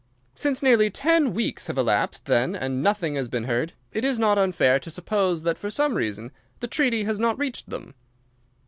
"Since nearly ten weeks have elapsed, then, and nothing has been heard, it is not unfair to suppose that for some reason the treaty has not reached them."